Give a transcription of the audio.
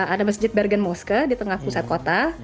ada masjid bergen mosket di tengah pusat kota